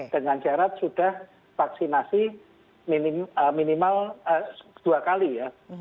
dengan syarat sudah vaksinasi minimal dua kali ya